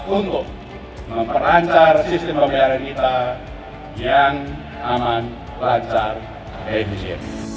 untuk memperancar sistem pembayaran kita yang aman lancar efisien